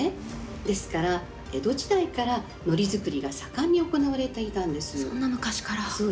ですから江戸時代から海苔作りが盛んに行われていたんです。